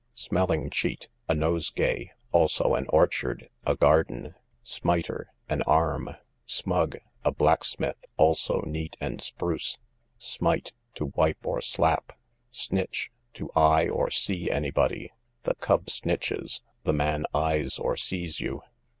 Smelling cheat, a nosegay; also an orchard, a garden. Smiter, an arm. Smug, a blacksmith, also neat and spruce. Smite, to wipe or slap. Snitch, to eye or see any body; the cub snitches, the man eyes or sees you.